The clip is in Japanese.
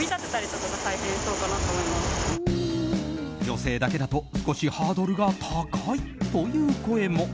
女性だけだと少しハードルが高いという声も。